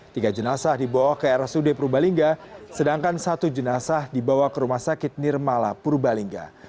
tiga jenazah dibawa ke rsud purbalingga sedangkan satu jenazah dibawa ke rumah sakit nirmala purbalingga